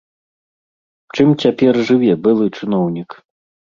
Чым цяпер жыве былы чыноўнік?